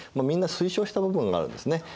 みんな推奨した部分があるんですね。